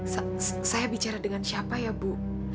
saya bicara dengan siapa ya bu